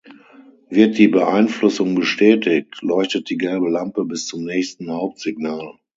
Wird die Beeinflussung bestätigt, leuchtet die gelbe Lampe bis zum nächsten Hauptsignal.